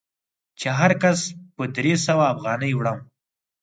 چې هر کس په درې سوه افغانۍ وړم.